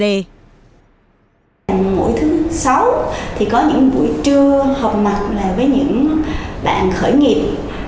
mỗi thứ sáu thì có những buổi trưa học mặt là với những bạn khởi nghiệp